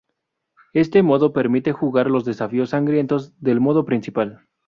Este modo permite jugar los desafíos sangrientos del modo principal.